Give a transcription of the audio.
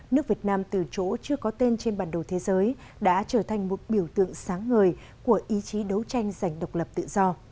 nước việt nam từ chỗ chưa có tên trên bản đồ thế giới đã trở thành một biểu tượng sáng ngời của ý chí đấu tranh giành độc lập tự do